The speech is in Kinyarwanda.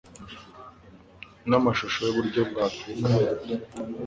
namashusho yuburyo bwa karato